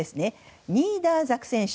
ニーダーザクセン州